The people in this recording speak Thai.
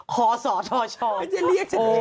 คอสช